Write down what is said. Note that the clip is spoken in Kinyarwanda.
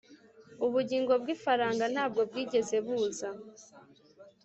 ubugingo bw'ifaranga ntabwo bwigeze buza.